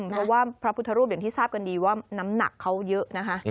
เพราะว่าพระพุทธรูปอย่างที่ทราบกันดีว่าน้ำหนักเขาเยอะนะคะ